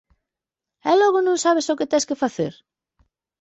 E logo non sabes o que tes que facer?